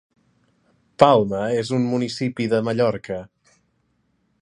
Palma és un municipi de Mallorca.